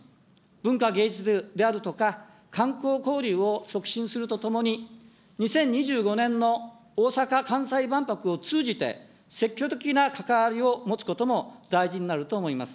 文化、芸術であるとか、観光交流を促進するとともに、２０２５年の大阪・関西万博を通じて、積極的な関わりを持つことも大事になると思います。